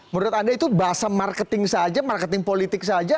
menurut anda itu bahasa marketing saja marketing politik saja